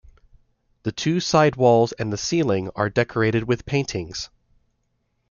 The two side walls and the ceiling are decorated with paintings.